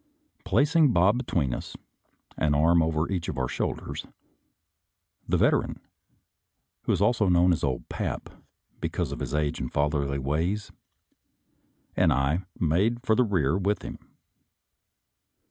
Placing Bob between us, an arm over each of our shoulders, the Veteran (who is ilso known as " Ole Pap," because of his age md fatherly ways) and I made for the rear with iim.